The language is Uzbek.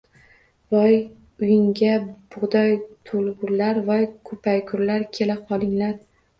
Voy uyingga bug‘doy to‘lgurlar, voy ko‘paygurlar, kela qolinglar.